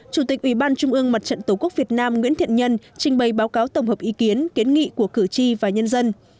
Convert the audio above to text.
chủ tịch ủy ban trung ương mặt trận tổ quốc việt nam nguyễn thiện nhân trình bày báo cáo tổng hợp ý kiến kiến nghị của cử tri và nhân dân